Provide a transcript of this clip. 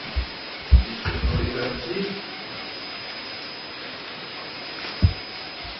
Listening to this tape, the jury heard his matter-of-fact, indifferent recitation of the murders.